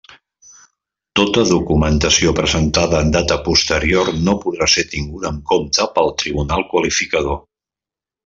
Tota documentació presentada en data posterior no podrà ser tinguda en compte pel Tribunal Qualificador.